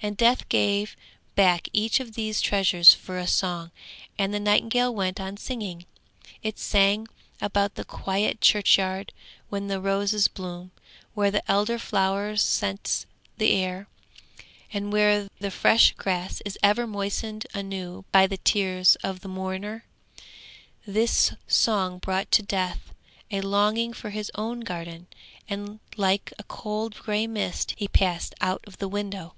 And Death gave back each of these treasures for a song, and the nightingale went on singing. It sang about the quiet churchyard, when the roses bloom, where the elder flower scents the air, and where the fresh grass is ever moistened anew by the tears of the mourner. This song brought to Death a longing for his own garden, and, like a cold grey mist, he passed out of the window.